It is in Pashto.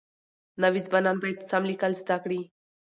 نوي ځوانان بايد سم ليکل زده کړي.